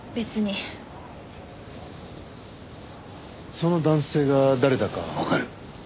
その男性が誰だかわかる？